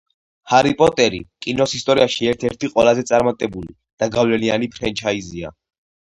„ჰარი პოტერი“ კინოს ისტორიაში ერთ-ერთი ყველაზე წარმატებული და გავლენიანი ფრენჩაიზია.